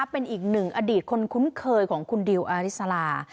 เป็นอีกหนึ่งอดีตคนคุ้นเคยของคุณดิวอาริสลา